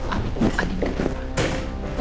aduh anin kenapa